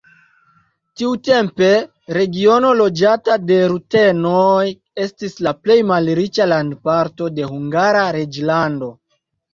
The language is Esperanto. Tiutempe regiono loĝata de rutenoj estis la plej malriĉa landparto de Hungara reĝlando.